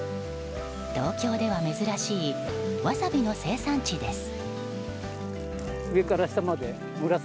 東京では珍しいワサビの生産地です。